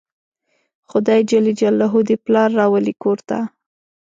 خدای ج دې پلار راولي کور ته